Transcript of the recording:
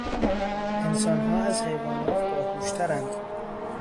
انسانها از حیوانات باهوشترند.